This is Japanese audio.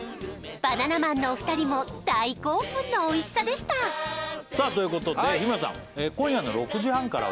バナナマンのお二人も大興奮の美味しさでした！ということで日村さん